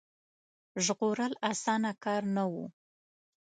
ژغورل اسانه کار نه وو.